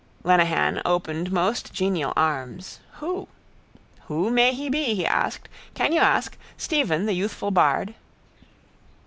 Lenehan opened most genial arms. Who? —Who may he be? he asked. Can you ask? Stephen, the youthful bard.